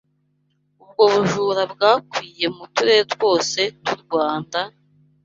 Ubwo bujura bwakwiye mu turere twose tw’u Rwanda,